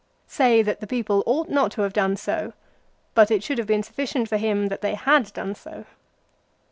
1 Say that the people ought not to have done so ; but it should have been sufficient for him that they had done so.